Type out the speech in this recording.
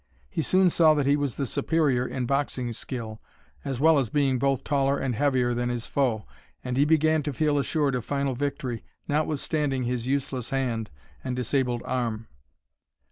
He soon saw that he was the superior in boxing skill, as well as being both taller and heavier than his foe, and he began to feel assured of final victory, notwithstanding his useless hand and disabled arm.